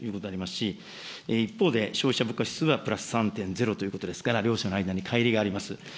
一方で消費者物価指数はプラス３．０ということですから、両者の間でかい離があります。